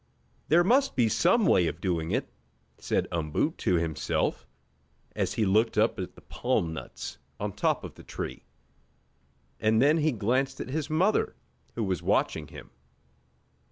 "There must be some way of doing it," said Umboo to himself as he looked up at the palm nuts on top of the tree, and then he glanced at his mother who was watching him.